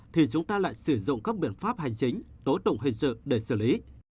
thì chúng ta lại sử dụng các biện pháp hành chính tố tụng hình sự để xử lý